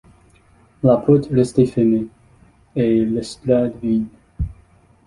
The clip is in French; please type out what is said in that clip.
La porte restait fermée, et l’estrade vide.